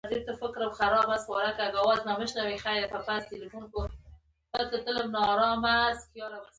خو زه به مینه درسره لرم، توپیر نه لري هغه هر ډول وي.